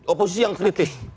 oposisi yang kritik